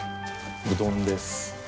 うどんです。